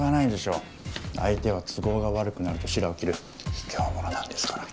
相手は都合が悪くなるとしらを切るひきょう者なんですから。